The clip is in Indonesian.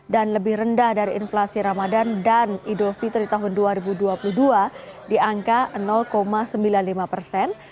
dan lebih rendah dari inflasi ramadan dan idul fitri tahun dua ribu dua puluh dua di angka sembilan puluh lima persen